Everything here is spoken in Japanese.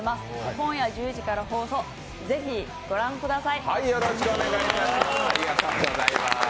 今夜１０時から放送、ぜひご覧ください。